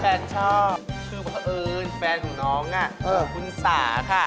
แฟนชอบคือเพราะเอิญแฟนของน้องคุณสาค่ะ